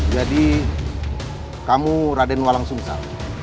jadi kamu raden walang sungsang